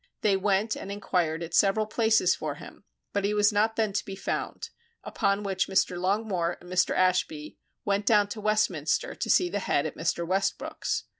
They went and enquired at several places for him, but he was not then to be found; upon which Mr. Longmore and Mr. Ashby went down to Westminster to see the head at Mr. Westbrook's.